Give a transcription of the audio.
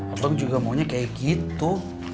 abang juga maunya kayak gitu